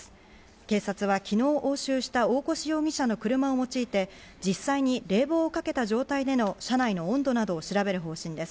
警察は昨日、押収した大越容疑者の車を用いて実際に冷房をかけた状態での車内の温度を調べる方針です。